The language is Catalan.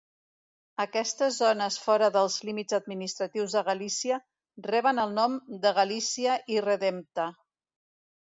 Aquestes zones fora dels límits administratius de Galícia reben el nom de Galícia irredempta.